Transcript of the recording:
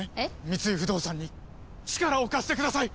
三井不動産に力を貸してください！